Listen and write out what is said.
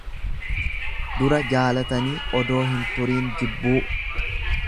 Dura jaalatanii odoo hin turiin jibbuu.